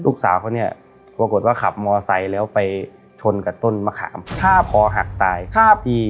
ลูกสาวเขาเนี่ยปรากฏว่าขับมอไซค์แล้วไปชนกับต้นมะขามคอหักตายครับพี่